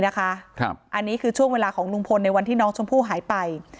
อันนี้คือช่วงเวลาของลุงพลในวันที่น้องชมพู่หายไป